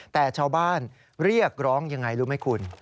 แต่ชาวบ้านเรียกร้องยังไงรู้ไหมคุณ